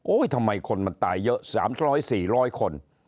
โอ้ยทำไมคนมันตายเยอะสามสิบร้อยสี่ร้อยคน